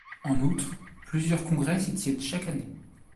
En outre, plusieurs congrès s'y tiennent chaque année.